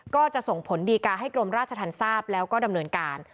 ก็จะส่งผลดีการ์ให้กรมราชธรรมทราบแล้วก็ดำเนินการ